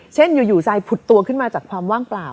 เช่นอยู่ทรายผุดตัวขึ้นมาจากความว่างเปล่า